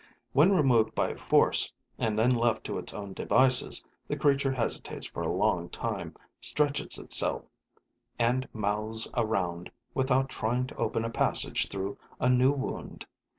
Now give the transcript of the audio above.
When removed by force and then left to its own devices, the creature hesitates for a long time, stretches itself and mouths around, without trying to open a passage through a new wound.